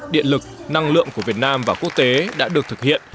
điện lực năng lượng của việt nam và quốc tế đã được thực hiện